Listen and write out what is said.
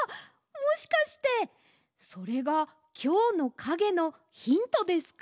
もしかしてそれがきょうのかげのヒントですか？